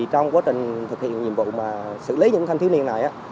trong quá trình thực hiện nhiệm vụ mà xử lý những thanh thiếu niên này